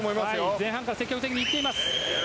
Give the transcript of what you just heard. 前半から積極的にいっています。